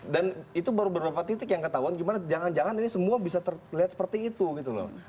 dan itu baru beberapa titik yang ketahuan gimana jangan jangan ini semua bisa terlihat seperti itu gitu loh